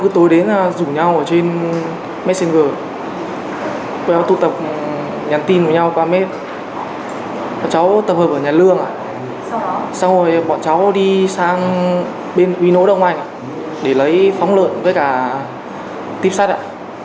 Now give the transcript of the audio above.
trong mạng xã hội bọn cháu đi sang bên uy nỗ đông anh để lấy phóng lợn với cả tiếp sát ạ